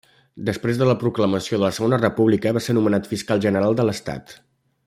Després de la proclamació de la Segona República va ser nomenat Fiscal General de l'Estat.